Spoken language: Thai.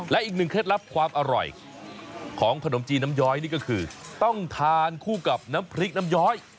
และอีกหนึ่งเคล็ดลับความอร่อยของขนมจีนน้ำย้อยนี่ก็คือต้องทานคู่กับน้ำพริกน้ำย้อย